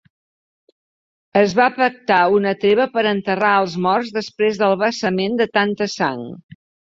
Es va pactar una treva per enterrar els morts després del vessament de tanta sang.